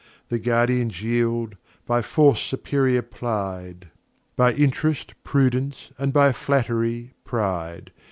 The Guardians yield, by Force superior ply'd; By Int'rest, Prudence; and by Flatt'ry, Pride.